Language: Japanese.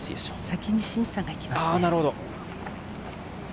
先にシンさんが行きますね。